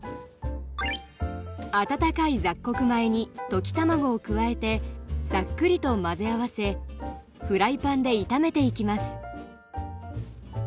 温かい雑穀米に溶き卵を加えてさっくりと混ぜ合わせフライパンで炒めていきます。